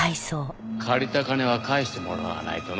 借りた金は返してもらわないとな。